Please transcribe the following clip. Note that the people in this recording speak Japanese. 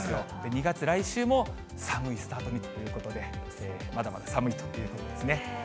２月、来週も寒いスタートにということで、まだまだ寒いということですね。